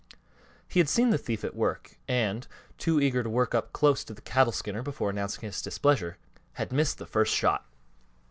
He had seen the thief at work and, too eager to work up close to the cattle skinner before announcing his displeasure, had missed the first shot.